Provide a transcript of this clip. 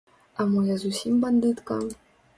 А мо я зусім бандытка?